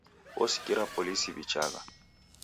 Osikira polisi w'ichagha.